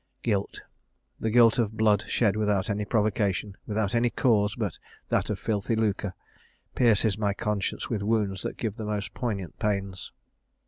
Guilt the guilt of blood shed without any provocation, without any cause but that of filthy lucre pierces my conscience with wounds that give the most poignant pains!